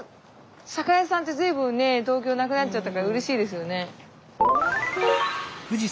酒屋さんって随分ね東京なくなっちゃったからうれしいですよね。